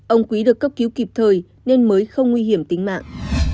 ông quý được cấp cứu kịp thời nên mới không nguy hiểm tính mạng